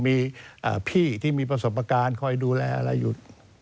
มีพี่ที่มีประสบการณ์คอยดูแลอะไรอยู่